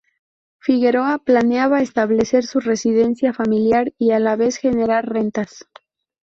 Figueroa planeaba establecer su residencia familiar y a la vez generar rentas.